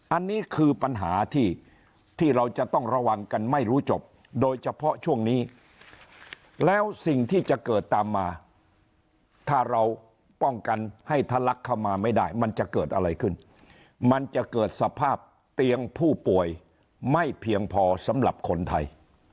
อันนี้คือปัญหาที่เราจะต้องระวังกันไม่รู้จบโดยเฉพาะช่วงนี้แล้วสิ่งที่จะเกิดตามมาถ้าเราป้องกันให้ทะลักเข้ามาไม่ได้มันจะเกิดอะไรขึ้นมันจะเกิดสภาพเตียงผู้ป่วยไม่เพียงพอสำหรับคนไทย